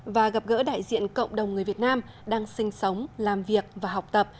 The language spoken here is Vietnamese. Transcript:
và gặp gỡ đại diện cộng đồng người việt nam đang sinh sống làm việc và học tập